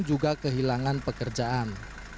belum juga kehilangan pekerjaan